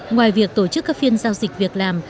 ngoài việc tổ chức các phiên giao dịch việc làm